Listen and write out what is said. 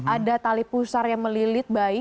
ada tali pusar yang melilit bayi